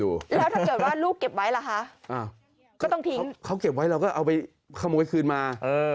แล้วถ้าเกิดว่าลูกเก็บไว้ล่ะคะก็ต้องทิ้งเขาเก็บไว้เราก็เอาไปขโมยคืนมา